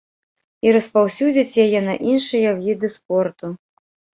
І распаўсюдзіць яе на іншыя віды спорту.